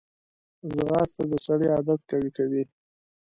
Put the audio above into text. ځغاسته د سړي عادت قوي کوي